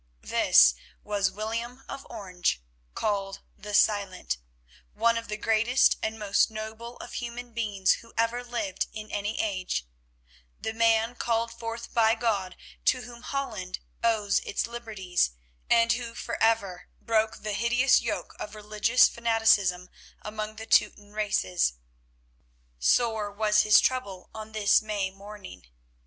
This was William of Orange, called the Silent, one of the greatest and most noble of human beings who ever lived in any age; the man called forth by God to whom Holland owes its liberties, and who for ever broke the hideous yoke of religious fanaticism among the Teuton races. Sore was his trouble on this May morning.